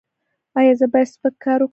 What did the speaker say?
ایا زه باید سپک کار وکړم؟